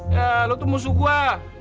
ya lo tuh musuh gue